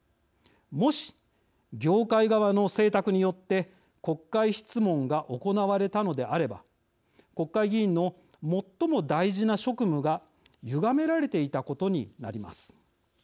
もし業界側の請託によって国会質問が行われたのであれば国会議員の最も大事な職務がゆがめられていたことになります。